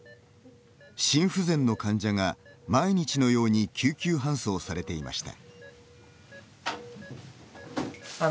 心不全の患者が毎日のように救急搬送されていました。